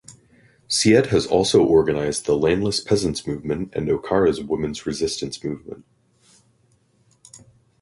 Syed has also organized the landless peasants movement and Okara’s women’s resistance movement.